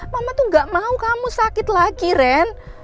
mama tuh gak mau kamu sakit lagi ren